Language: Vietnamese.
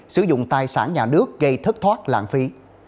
sử dụng tài sản nhà nước gây thất thoát lãng phí